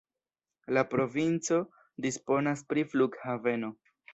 La provinco disponas pri flughaveno.